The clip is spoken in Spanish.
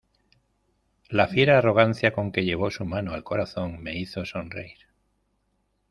la fiera arrogancia con que llevó su mano al corazón, me hizo sonreír